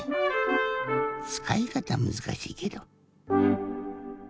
つかいかたむずかしいけど。